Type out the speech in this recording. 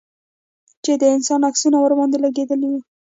چې د انسان عکسونه ورباندې لگېدلي وو.